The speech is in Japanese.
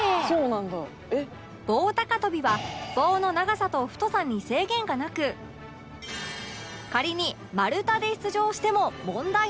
棒高跳びは棒の長さと太さに制限がなく仮に丸太で出場しても問題なし